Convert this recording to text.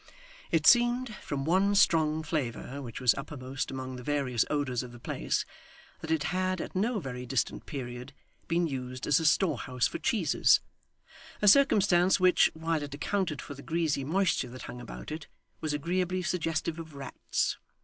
It seemed, from one strong flavour which was uppermost among the various odours of the place, that it had, at no very distant period, been used as a storehouse for cheeses; a circumstance which, while it accounted for the greasy moisture that hung about it, was agreeably suggestive of rats.